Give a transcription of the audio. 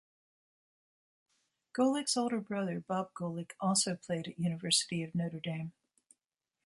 Golic's older brother, Bob Golic, also played at University of Notre Dame.